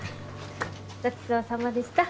ごちそうさまでした！